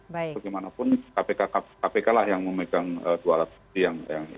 bagaimanapun kpk yang memegang dua alat bukti